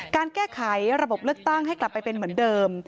การแก้ไขระบบเลือกตั้งให้กลับไปเป็นเหมือนเดิม